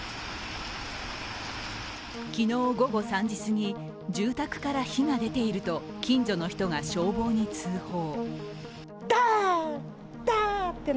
昨日午後３時すぎ住宅から火が出ていると近所の人が消防に通報。